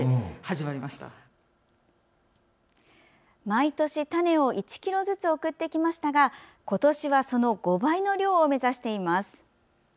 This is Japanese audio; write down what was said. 毎年、種を１ｋｇずつ送ってきましたが今年は、その５倍の量を目指しています。